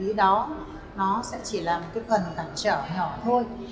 cái cách địa lý đó nó sẽ chỉ là một cái phần cảnh trở hỏa thôi